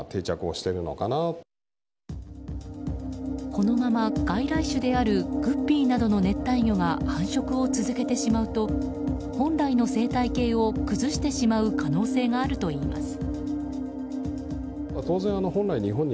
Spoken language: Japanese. このまま、外来種であるグッピーなどの熱帯魚が繁殖を続けてしまうと本来の生態系を崩してしまう可能性があるといいます。